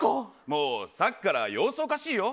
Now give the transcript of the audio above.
もう、さっきから様子おかしいよ。